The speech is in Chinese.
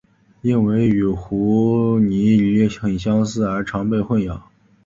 因为与湖拟鲤很相似而常被混淆。